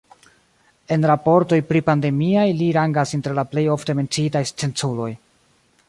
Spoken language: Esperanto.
En raportoj pripandemiaj li rangas inter la plej ofte menciitaj scienculoj.